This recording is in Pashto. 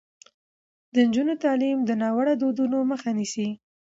د نجونو تعلیم د ناوړه دودونو مخه نیسي.